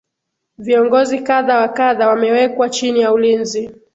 viongozi kadha wa kadha wamewekwa chini ya ulinzi